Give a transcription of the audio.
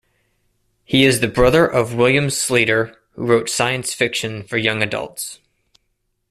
He is the brother of William Sleator, who wrote science fiction for young adults.